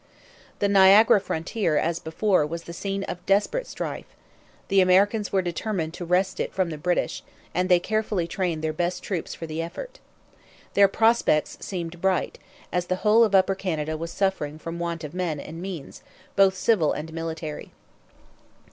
The Niagara frontier, as before, was the scene of desperate strife. The Americans were determined to wrest it from the British, and they carefully trained their best troops for the effort. Their prospects seemed bright, as the whole of Upper Canada was suffering from want of men and means, both civil and military.